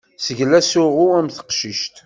Sgel asuɣu am teqcict.